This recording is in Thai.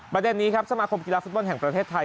ประเด็นนี้ครับสมาคมกีฬาฟุตบอลแห่งประเทศไทย